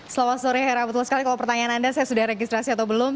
selamat sore hera betul sekali kalau pertanyaan anda saya sudah registrasi atau belum